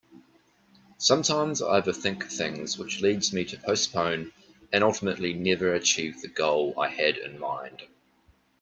Sometimes I overthink things which leads me to postpone and ultimately never achieve the goal I had in mind.